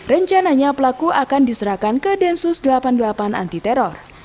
rencananya pelaku akan diserahkan ke densus delapan puluh delapan anti teror